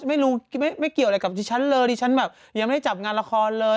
ไม่รู้ไม่เกี่ยวอะไรกับดิฉันเลยดิฉันแบบยังไม่ได้จัดงานละครเลย